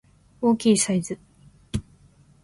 大きいサイズ